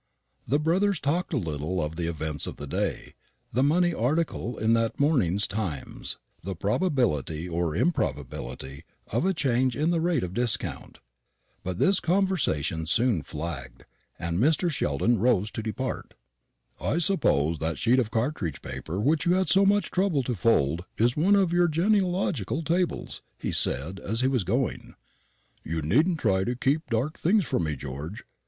The brothers talked a little of the events of the day, the money article in that morning's Times, the probability or improbability of a change in the rate of discount. But this conversation soon flagged, and Mr. Sheldon rose to depart. "I suppose that sheet of cartridge paper which you had so much trouble to fold is one of your genealogical tables," he said as he was going. "You needn't try to keep things dark from me, George.